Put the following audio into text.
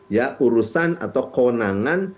ya urusan atau kewenangan